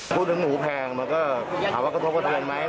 พูดถึงหมูแพงมันก็ถามว่ากระทบกระเทือนไหม